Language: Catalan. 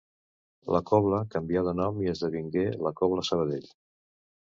La cobla canvià de nom i esdevingué la cobla Sabadell.